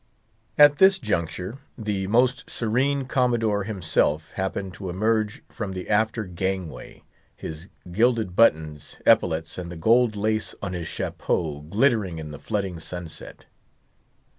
At this juncture the Most Serene Commodore himself happened to emerge from the after gangway, his gilded buttons, epaulets, and the gold lace on his chapeau glittering in the flooding sunset.